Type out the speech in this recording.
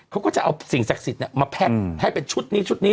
เขาก็จะเอาสิ่งศักดิ์สิทธิ์มาแพ็คให้เป็นชุดนี้ชุดนี้